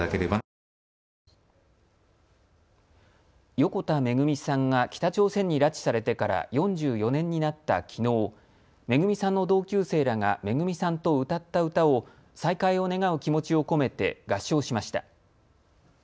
横田めぐみさんが北朝鮮に拉致されてから４４年になったきのう、めぐみさんの同級生らがめぐみさんと歌った歌を再会を願う気持ちを込めて合唱しました。